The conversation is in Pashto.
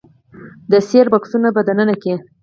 د سیریل بکسونو په دننه کې